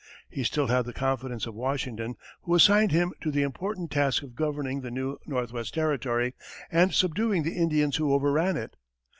He still had the confidence of Washington, who assigned him to the important task of governing the new Northwest Territory, and subduing the Indians who overran it.